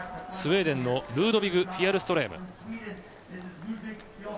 スウェーデンのルードビグ・フィヤルストレーム。